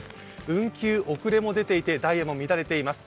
運休・遅れも出ていて、ダイヤも乱れています。